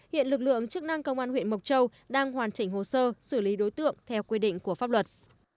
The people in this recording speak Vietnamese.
hiện lực lượng chức năng công an huyện mộc châu đang hoàn chỉnh hồ sơ xử lý đối tượng theo quy định của pháp luật